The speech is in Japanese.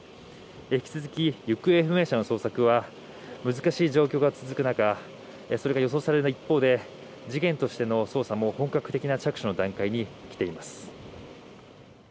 引き続き行方不明者の捜索は難しい状況が続く中それが予想される一方で事件としての捜査も本格的な着手の段階に来ています。